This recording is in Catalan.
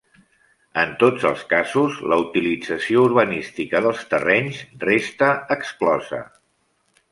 En tots els casos la utilització urbanística dels terrenys resta exclosa.